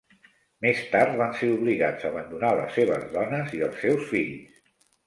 Més tard van ser obligats a abandonar les seves dones i els seus fills.